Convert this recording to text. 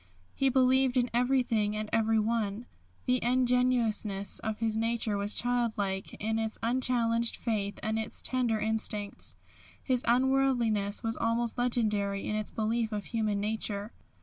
He believed in everything and everyone. The ingenuousness of his nature was childlike in its unchallenged faith and its tender instincts. His unworldliness was almost legendary in its belief of human nature.